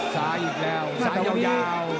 ซ้ายอีกแล้วซ้ายยาวยาวเหรอที่ใดเดียว